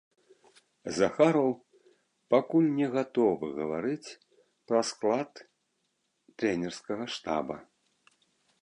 Захараў пакуль не гатовы гаварыць пра склад трэнерскага штаба.